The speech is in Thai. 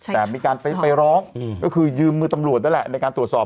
แต่มีการไปร้องก็คือยืมมือตำรวจนั่นแหละในการตรวจสอบ